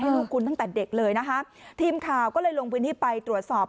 ลูกคุณตั้งแต่เด็กเลยนะคะทีมข่าวก็เลยลงพื้นที่ไปตรวจสอบ